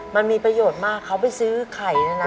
มันมีประโยชน์มากเขาไปซื้อไข่นะนะ